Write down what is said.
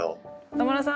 野村さん